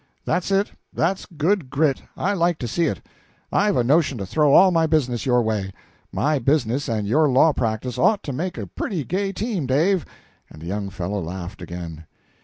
"That's it; that's good grit! I like to see it. I've a notion to throw all my business your way. My business and your law practice ought to make a pretty gay team, Dave," and the young fellow laughed again.